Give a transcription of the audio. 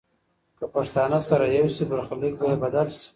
که پښتانه سره یو شي، برخلیک به یې بدل شي.